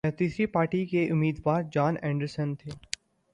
تیسری پارٹی کے امیدوار جان اینڈرسن تھا